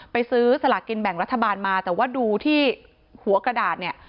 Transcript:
ซื้อสลากินแบ่งรัฐบาลมาแต่ว่าดูที่หัวกระดาษเนี่ย